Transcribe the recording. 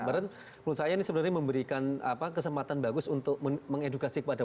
kemarin menurut saya ini sebenarnya memberikan kesempatan bagus untuk mengedukasi kepada